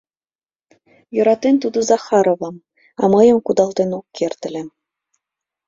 Йӧратен тудо Захаровам, а мыйым кудалтен ок керт ыле.